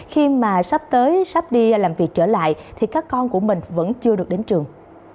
khi mà sắp tới sắp đi làm việc trở lại thì các con của mình vẫn chưa được đến trường